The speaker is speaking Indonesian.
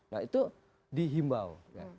nah itu dihimbau